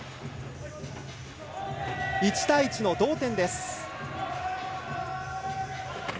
１対１の同点です。